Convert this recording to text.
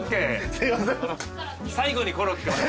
すいません。